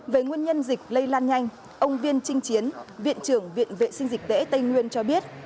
về nguyên nhân dịch lây lan nhanh ông viên trinh chiến viện trưởng viện vệ sinh dịch tễ tây nguyên cho biết